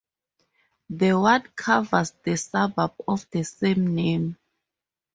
The ward covers the suburb of the same name.